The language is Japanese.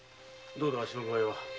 どうだ足の具合は？